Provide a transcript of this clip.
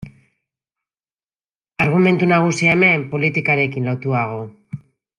Argumentu nagusia hemen politikarekin lotuago.